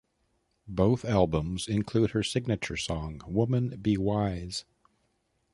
Both albums include her signature song, "Women Be Wise".